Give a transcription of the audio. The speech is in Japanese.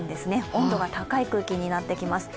温度が高い空気になってきます。